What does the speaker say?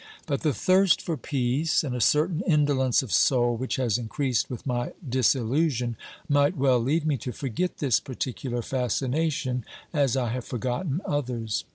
But the thirst for peace, and a certain indolence of soul which has increased with my disillusion, might well lead me to forget this particular fascination as I have forgotten others.